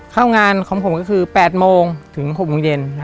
เข้างานของผมก็คือ๘โมงถึง๖โมงเย็น